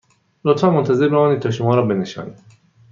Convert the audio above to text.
لطفاً منتظر بمانید تا شما را بنشانیم